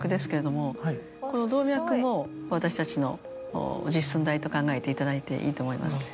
この動脈も私たちの実寸大と考えていただいていいと思います。